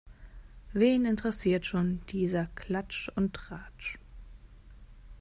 Wen interessiert schon dieser Klatsch und Tratsch?